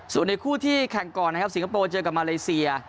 ส่วนในคู่ที่แข่งก่อนนะครับสิงคโปร์เจอกับมาเลเซีย